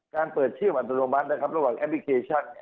เปิดชื่ออัตโนมัตินะครับระหว่างแอปพลิเคชัน